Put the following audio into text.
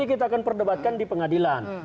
kita akan perdebatkan di pengadilan